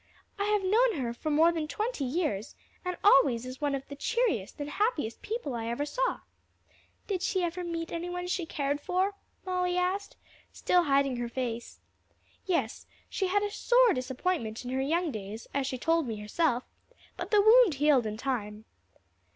I have known her for more than twenty years, and always as one of the cheeriest and happiest people I ever saw." "Did she ever meet any one she cared for?" Molly asked, still hiding her face. "Yes: she had a sore disappointment in her young days, as she told me herself; but the wound healed in time."